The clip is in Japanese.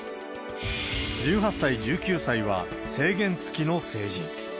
１８歳、１９歳は制限つきの成人。